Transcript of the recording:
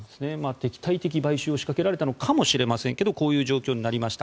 敵対的買収を仕掛けられたのかもしれませんがこういう状況になりました。